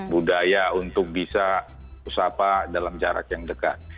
budaya untuk bisa usapa dalam jarak yang dekat